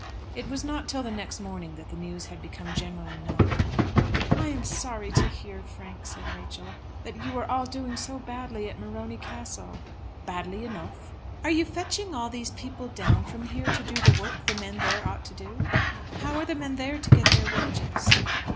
It was not till the next morning that the news had become generally known. "I am sorry to hear, Frank," said Rachel, "that you are all doing so badly at Morony Castle." "Badly enough." "Are you fetching all these people down from here to do the work the men there ought to do? How are the men there to get their wages?"